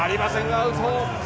アウト。